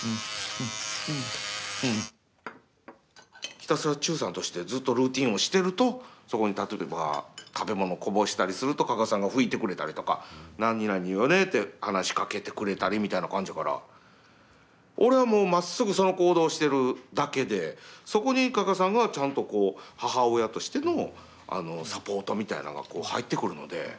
ひたすら忠さんとしてずっとルーティンをしてるとそこに例えば食べ物こぼしたりすると加賀さんが拭いてくれたりとかなになによねって話しかけてくれたりみたいな感じやから、俺はもうまっすぐその行動してるだけでそこに加賀さんが、ちゃんとこう母親としてのサポートみたいなのが入ってくるので。